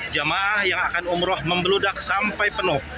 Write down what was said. jemaah yang akan umrah membeludak sampai